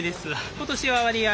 今年は割合